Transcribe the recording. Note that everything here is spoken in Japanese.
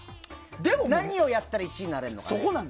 何をやったら１位になれるのかな。